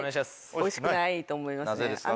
オイシくないと思いますね。